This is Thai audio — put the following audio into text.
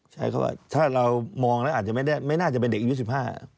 ใช้คำว่าถ้าเรามองแล้วไม่น่าจะเป็นเด็กอีก๑๕อ่ะ